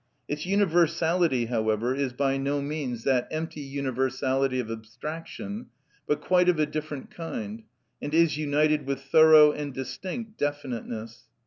Its universality, however, is by no means that empty universality of abstraction, but quite of a different kind, and is united with thorough and distinct definiteness.